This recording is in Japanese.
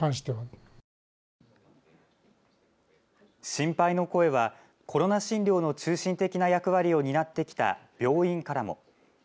心配の声はコロナ診療の中心的な役割を担ってきた病院からも。